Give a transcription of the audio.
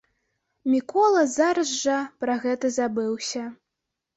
Мікола зараз жа пра гэта забыўся.